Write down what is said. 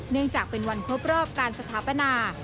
เนื่องจากเป็นวันพบรอบการสถาปนา